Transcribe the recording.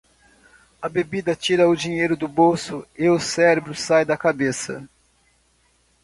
A bebida tira o dinheiro do bolso e o cérebro sai da cabeça.